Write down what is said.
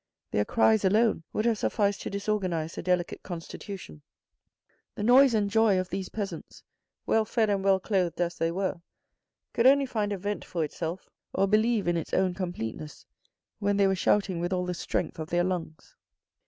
Their cries alone would have sufficed to disorganise a delicate constitution. The noise and joy of these peasants, well fed and well clothed as they were, could only find a vent for itself, or believe in its own completeness when they were shouting with all the strength of their lungs.